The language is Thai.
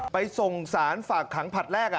ไปส่งสารฝากขังผลัดแรก